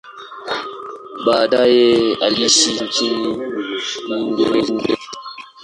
Baadaye aliishi nchini Uingereza.